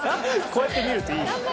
こうやって見るといいね。